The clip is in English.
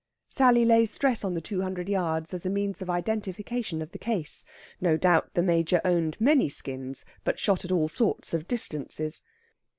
Sally lays stress on the two hundred yards as a means of identification of the case. No doubt the Major owned many skins, but shot at all sorts of distances.